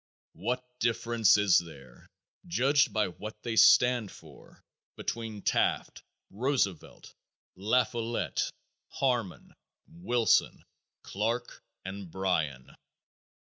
What difference is there, judged by what they stand for, between Taft, Roosevelt, La Follette, Harmon, Wilson, Clark and Bryan?